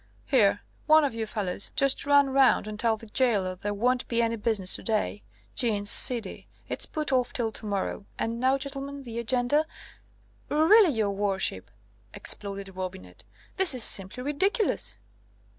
Here, one of you fellows, just run round and tell the gaoler there won't be any business to day. Jeanne's seedy. It's put off till to morrow. And now, gentlemen, the agenda " "Really, your worship," exploded Robinet, "this is simply ridiculous!"